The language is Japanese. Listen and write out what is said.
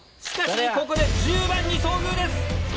ここで１０番に遭遇です！